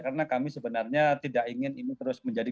karena kami sebenarnya tidak ingin ini terus berlaku